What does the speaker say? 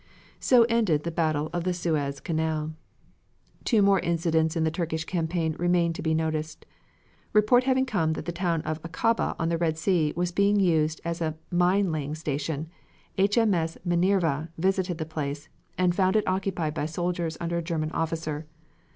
So ended the battle of the Suez Canal. Two more incidents in the Turkish campaign remain to be noticed. Report having come that the town of Akaba on the Red Sea was being used as a mine laying station, H. M. S. Minerva visited the place, and found it occupied by soldiers under a German officer.